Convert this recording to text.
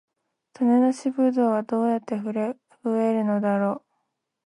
種なしブドウはどうやって増えるのだろう